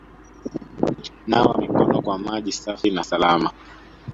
Nawa mikono kwa maji safi na salama